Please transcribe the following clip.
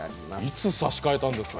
いつ差し替えたんですか？